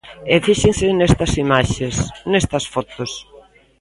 E fíxense nestas imaxes, nestas fotos.